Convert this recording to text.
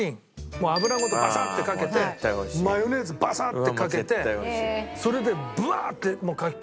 もう油ごとバサッてかけてマヨネーズバサッてかけてそれでブワーッてもうかき込み。